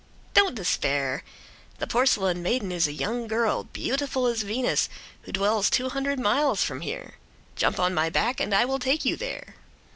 "Don't despair. The porcelain maiden is a young girl, beautiful as Venus, who dwells two hundred miles from here. Jump on my back and I will take you there."